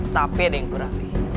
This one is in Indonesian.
tapi ada yang kurang